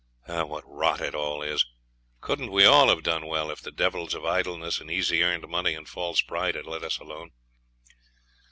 What rot it all is! Couldn't we all have done well, if the devils of idleness and easy earned money and false pride had let us alone?